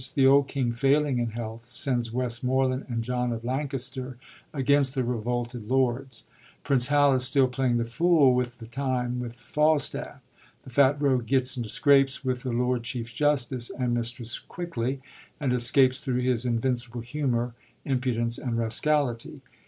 The old king, failing in health, sends Westmoreland and John of Lancaster against the revolted lords. Prince Hal is still playing the fool with the time with Falstaff. The fat rogue gets into scrapes with the Lord Chief Justice and Mistress Quickly, and escapes thru his invincible humor, impu dence, and rascality.